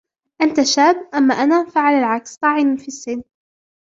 أنت شاب. أما أنا -فعلى العكس- طاعن في السن.